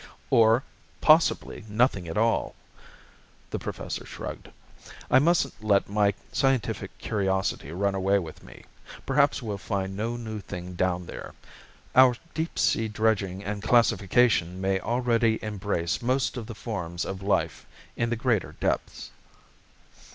"Or, possibly nothing at all." The Professor shrugged. "I mustn't let my scientific curiosity run away with me. Perhaps we'll find no new thing down down. Our deep sea dredging and classification may already embrace most of the forms of life in the greater depths."